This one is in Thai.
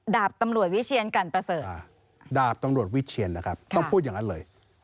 ดาบตำรวจวิเชียนกันประเสริฐดาบตำรวจวิเชียนนะครับต้องพูดอย่างนั้นเลย